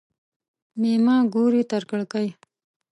مېمه ګوري تر کړکۍ.